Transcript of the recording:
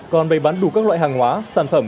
còn bày bán đủ các loại hàng hóa sản phẩm